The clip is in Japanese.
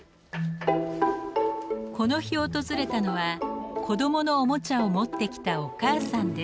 この日訪れたのは子どものおもちゃを持ってきたお母さんです。